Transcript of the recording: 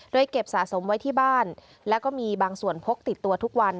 โดยเก็บสะสมไว้ที่บ้านแล้วก็มีบางส่วนพกติดตัวทุกวัน